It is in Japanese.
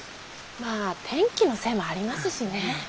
まあ天気のせいもありますしね。